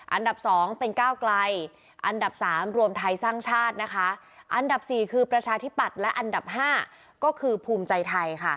อันดับสองเป็นก้าวไกลอันดับสามรวมไทยสร้างชาตินะคะอันดับสี่คือประชาธิปัตย์และอันดับ๕ก็คือภูมิใจไทยค่ะ